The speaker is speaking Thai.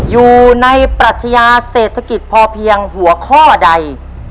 อยู่ในปรัชญาเศรษฐกิจพอเพียงหัวข้อใด